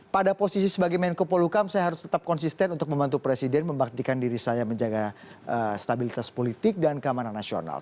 pada posisi sebagai menko polukam saya harus tetap konsisten untuk membantu presiden membaktikan diri saya menjaga stabilitas politik dan keamanan nasional